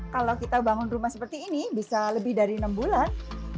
kalau kita bangun rumah seperti ini bisa lebih dari enam bulan